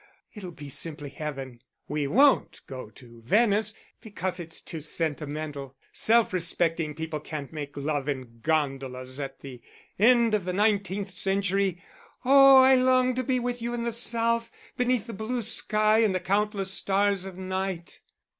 It'll be simply heavenly. We won't go to Venice, because it's too sentimental; self respecting people can't make love in gondolas at the end of the nineteenth century.... Oh, I long to be with you in the South, beneath the blue sky and the countless stars of night."